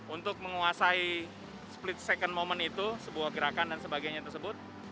untuk menguasai split second moment itu sebuah gerakan dan sebagainya tersebut